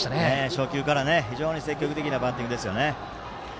初球から、非常に積極的なバッティングですね。